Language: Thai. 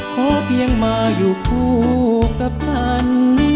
ขอเพียงมาอยู่คู่กับฉัน